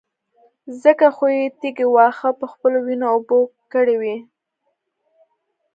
ځکه خو يې تږي واښه په خپلو وينو اوبه کړي وو.